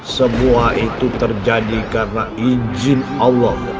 semua itu terjadi karena izin allah